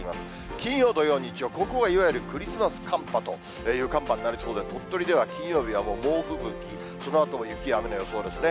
金曜、土曜、日曜、ここがいわゆるクリスマス寒波という寒波になりそうで、鳥取では金曜日はもう猛吹雪、そのあとも雪や雨の予想ですね。